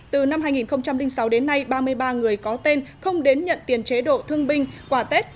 từ năm hai nghìn sáu đến nay ba mươi ba người có tên không đến nhận tiền chế độ thương binh quả tết